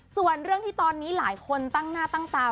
ส่วนเรื่องที่ตอนนี้หลายคนตั้งหน้าตั้งตา